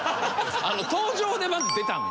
登場でまず出たの。